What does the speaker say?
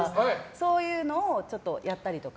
そういうのをやったりとか。